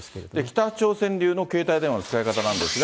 北朝鮮流の携帯電話の使い方なんですが。